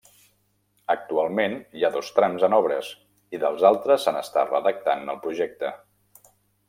Actualment hi ha dos trams en obres, i dels altres se n'està redactant el projecte.